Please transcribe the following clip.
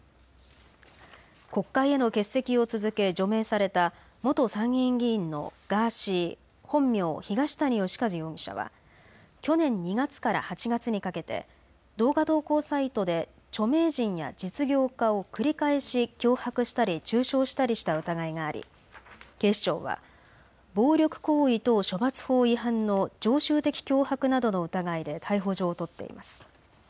国会への欠席を続け除名された元参議院議員のガーシー、本名・東谷義和容疑者は去年２月から８月にかけて動画投稿サイトで著名人や実業家を繰り返し脅迫したり中傷したりした疑いがあり警視庁は暴力行為等処罰法違反の常習的脅迫などの疑いで逮捕状を取っています。